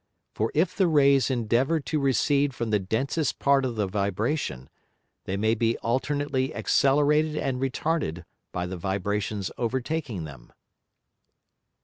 For if the Rays endeavour to recede from the densest part of the Vibration, they may be alternately accelerated and retarded by the Vibrations overtaking them.